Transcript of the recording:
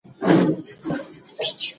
د خلکو هیلو ته درناوی وکړئ.